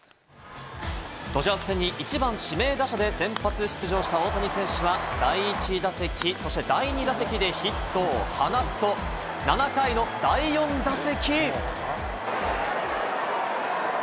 ドジャース戦に１番・指名打者で先発出場した大谷選手は第１打席、そして第２打席でヒットを放つと、７回の第４打席。